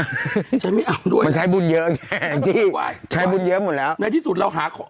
ที่ใช้ไม่เอาด้วยมันใช้บุญเยอะใช้บุญเยอะหมดแล้วในที่สุดเราหาข้อ